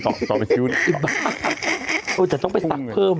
ตั้งผิดบ้าจะต้องไปสั่งเพิ่มอะไรแหง